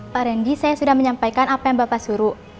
pak rendy saya sudah menyampaikan apa yang bapak suruh